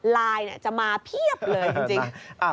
ไลน์จะมาเพียบเลยจริง